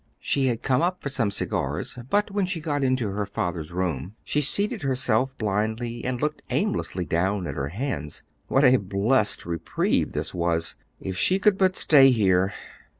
She had come up for some cigars; but when she got into her father's room, she seated herself blindly and looked aimlessly down at her hands. What a blessed reprieve this was! If she could but stay here!